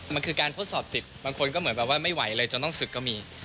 มันคือการทดสอบจิตบางคนก็เหมือนแบบว่าไม่ไหวเลยจนต้องศึกก็มี